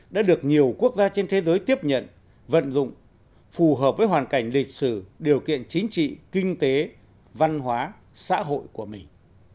đã được nhiều quốc gia trên thế giới tiếp nhận vận dụng phù hợp với hoàn cảnh lịch sử điều kiện chính trị kinh tế văn hóa xã hội của mình